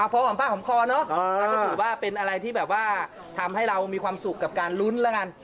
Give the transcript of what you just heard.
พอหอมป้าหอมคอเนอะมันก็ถือว่าเป็นอะไรที่แบบว่าทำให้เรามีความสุขกับการลุ้นแล้วกัน